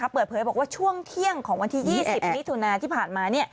เปิดเผยบอกว่าช่วงเที่ยงของวันที่๒๐มิถุนาที่ผ่านมา